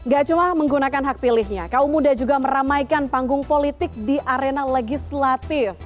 gak cuma menggunakan hak pilihnya kaum muda juga meramaikan panggung politik di arena legislatif